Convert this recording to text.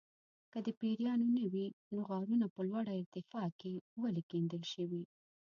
که د پیریانو نه وي نو غارونه په لوړه ارتفاع کې ولې کیندل شوي.